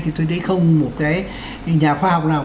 thì tôi thấy không một nhà khoa học nào